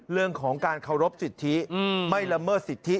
เรื่องของการเคารพสิทธิไม่ละเมิดสิทธิ